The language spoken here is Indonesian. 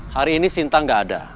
hari ini sinta gak ada